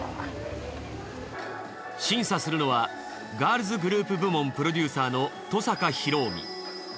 審査するのはガールズグループ部門プロデューサーの登坂広臣。